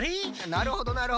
なるほどなるほど。